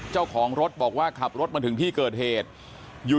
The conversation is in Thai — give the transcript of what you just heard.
เจ้าของรถบอกว่าขับรถมาถึงที่เกิดเหตุอยู่